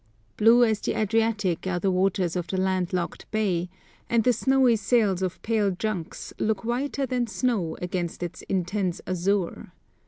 Blue as the Adriatic are the waters of the land locked bay, and the snowy sails of pale junks look whiter than snow against its intense azure.